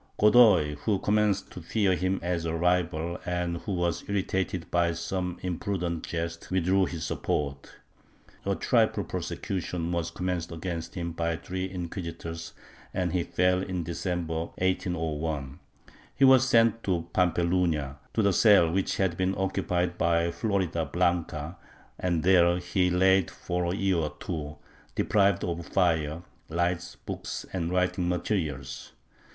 Godoy, who com menced to fear him as a rival, and who was irritated by some imprudent jests, withdrew his support. A triple prosecution was commenced against him by three inquisitors and he fell in December, 1801. He was sent to Pampeluna, to the cell which had been occupied by Floridablanca, and there he lay for a year or two, deprived of fire, hghts, books and writing materials.